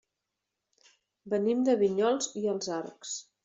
Venim de Vinyols i els Arcs.